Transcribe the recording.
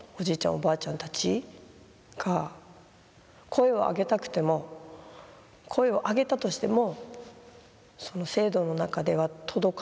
おばあちゃんたちが声をあげたくても声をあげたとしても制度の中では届かない場所に生きている。